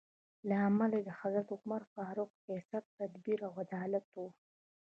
لامل یې د حضرت عمر فاروق سیاست، تدبیر او عدالت و.